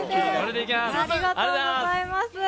ありがとうございます。